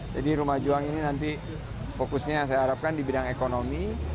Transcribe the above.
jadi rumah juang ini nanti fokusnya saya harapkan di bidang ekonomi